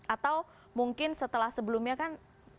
atau mungkin setelah sebelumnya kan